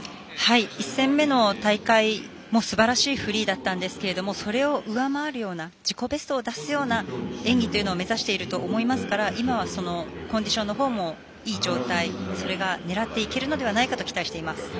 １戦目の大会もすばらしいフリーだったんですがそれを上回るような自己ベストを出すような演技を目指していると思いますから今はコンディションのほうもいい状態それが狙っていけるのではないかと期待しています。